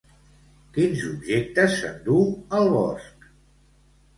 Quins objectes s'enduu al bosc?